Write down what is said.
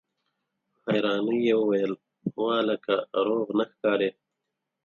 په حيرانۍ يې وويل: وه هلکه! روغ نه ښکارې!